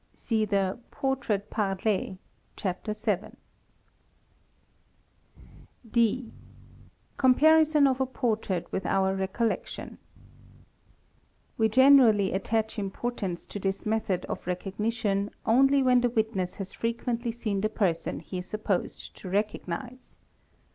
(See the Portrait Parlé, Chapter VII). | (d) Comparison of a portrait with our recollection. We generally | attach importance to this method of recognition only when the witness — has frequently seen the person he is supposed to recognize.